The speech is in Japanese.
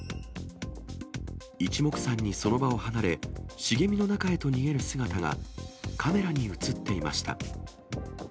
いちもくさんにその場を離れ、茂みの中へと逃げる姿がカメラに写っていました。